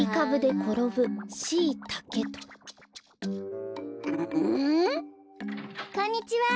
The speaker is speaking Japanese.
こんにちは！